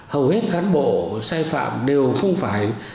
hầu hết cán bộ sai phạm đều không phải